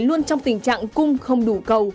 luôn trong tình trạng cung không đủ cầu